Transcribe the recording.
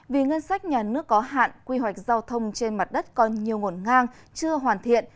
vì ngân sách nhà nước có hạn quy hoạch giao thông trên mặt đất còn nhiều nguồn ngang chưa hoàn thiện